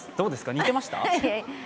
似てました？